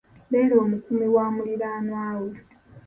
Beera omukuumi wa muliraanwawo.